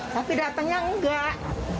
tapi datangnya enggak